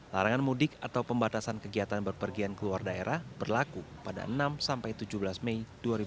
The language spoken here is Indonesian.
larangan mudik atau pembatasan kegiatan berpergian keluar daerah berlaku pada enam sampai tujuh belas mei dua ribu dua puluh